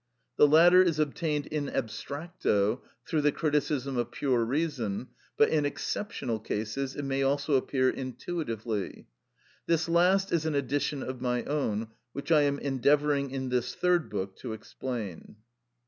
The latter is obtained in abstracto through the criticism of pure reason, but in exceptional cases it may also appear intuitively. This last is an addition of my own, which I am endeavouring in this Third Book to explain.